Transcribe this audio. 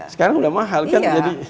sekarang sudah mahal kan